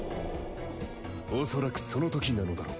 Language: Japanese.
おそらくそのときなのだろう。